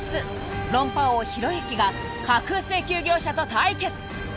論破王・ひろゆきが架空請求業者と対決